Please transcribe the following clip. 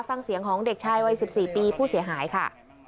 ฟังเสียงของเด็กชายวัย๑๔ปีผู้เสียหายค่ะ